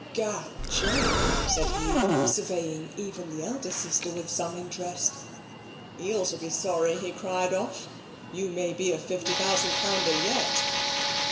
"Gad! Jane," said he, surveying even the elder sister with some interest, "Eels will be sorry he cried off. You may be a fifty thousand pounder yet."